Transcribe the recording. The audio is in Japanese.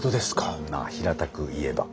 うんまあ平たく言えば。